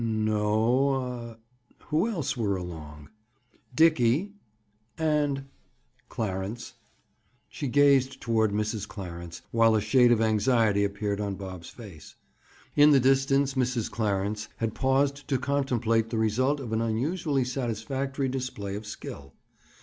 "No a." "Who else were along?" "Dickie—" "And—?" "Clarence." She gazed toward Mrs. Clarence, while a shade of anxiety appeared on Bob's face. In the distance Mrs. Clarence had paused to contemplate the result of an unusually satisfactory display of skill.